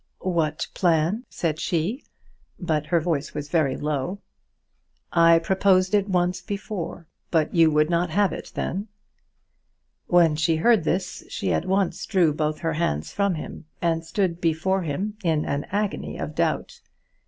"What plan?" said she; but her voice was very low. "I proposed it once before, but you would not have it then." When she heard this, she at once drew both her hands from him, and stood before him in an agony of doubt.